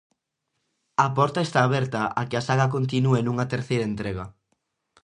A porta está aberta a que a saga continúe nunha terceira entrega.